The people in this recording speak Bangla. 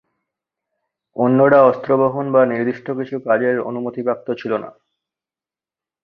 অন্যরা অস্ত্র বহন বা নির্দিষ্ট কিছু কাজের অনুমতিপ্রাপ্ত ছিল না।